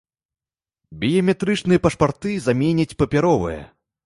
Біяметрычныя пашпарты заменяць папяровыя.